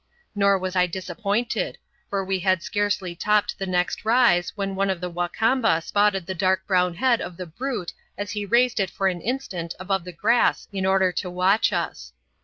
Nor was I disappointed, for we had scarcely topped the next rise when one of the Wa Kamba spotted the dark brown head of the brute as he raised it for an instant above the grass in order to watch us.